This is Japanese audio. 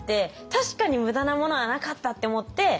確かに無駄なものはなかったって思って。